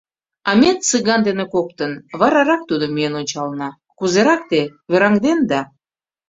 А ме Цыган дене коктын варарак тудым миен ончалына, кузерак те... вераҥденда.